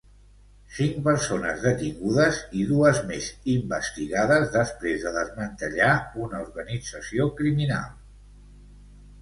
Cinc persones detingudes i dues més investigades després de desmantellar una organització criminal.